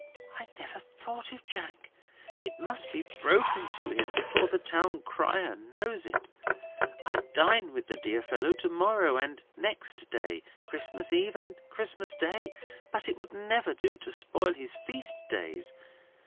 "I never thought of Jack. It must be broken to him, before the town crier knows it. I dine with the dear fellow to morrow and next day—Christmas Eve and Christmas Day—but it would never do to spoil his feast days.